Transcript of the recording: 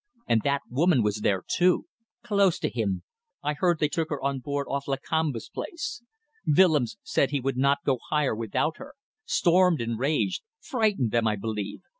And that woman was there too. Close to him. I heard they took her on board off Lakamba's place. Willems said he would not go higher without her. Stormed and raged. Frightened them, I believe.